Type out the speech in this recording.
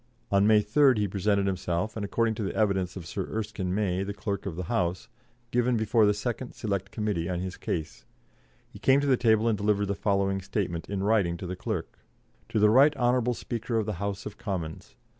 On May 3rd he presented himself and, according to the evidence of Sir Erskine May, the Clerk of the House, given before the second Select Committee on his case, he "came to the table and delivered the following statement in writing to the Clerk: 'To the Right Honourable the Speaker of the House of Commons.